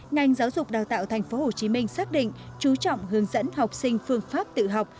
ngành giáo dục đào tạo tp hcm xác định chú trọng hướng dẫn học sinh phương pháp tự học